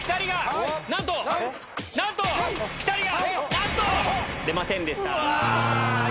なんと‼出ませんでした。